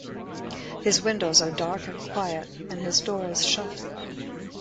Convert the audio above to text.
His windows are dark and quiet, and his door is shut.